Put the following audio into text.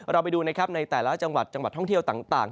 เราไปดูนะครับในแต่ละจังหวัดจังหวัดท่องเที่ยวต่าง